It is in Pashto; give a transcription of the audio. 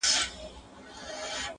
ټول مېږي وه خو هر ګوره سره بېل وه،